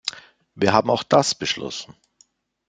Wir haben auch das beschlossen.